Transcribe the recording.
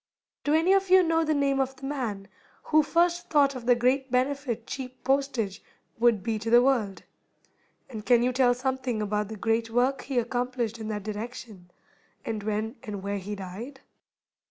Do any of you know the name of the man who first thought of the great benefit cheap postage would be to the world, and can you tell something about the great work he accomplished in that direction, and when and where he died?